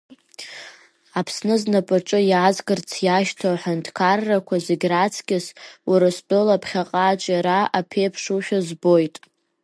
Аԥсны знапаҿы иаазгарц иашьҭоу аҳәынҭқаррақәа зегьы раҵкыс Урыстәыла ԥхьаҟа аҿиара аԥеиԥшушәа збоит.